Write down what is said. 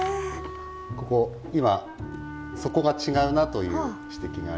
ここ今底が違うなという指摘が。